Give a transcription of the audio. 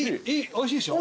おいしいでしょ？